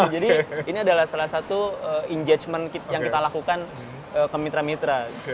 jadi ini adalah salah satu injajemen yang kita lakukan ke mitra mitra